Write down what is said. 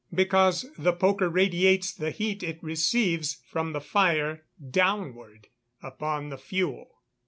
_ Because the poker radiates the heat it receives from the fire downward upon the fuel.